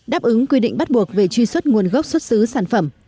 đáp ứng quy định bắt buộc về truy xuất nguồn gốc xuất xứ sản phẩm